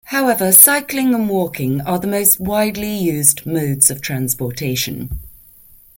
However, cycling and walking are the most widely used modes of transportation.